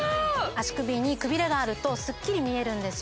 足首にくびれがあるとスッキリ見えるんですよ